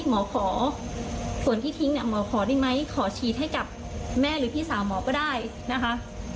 หมอขอส่วนที่ทิ้งเนี่ยหมอขอได้ไหมขอฉีดให้กับแม่หรือพี่สาวหมอก็ได้นะคะ